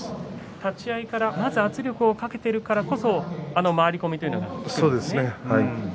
立ち合いから圧力をかけているからこそあの回り込みがあるんですね。